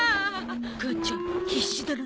母ちゃん必死だな。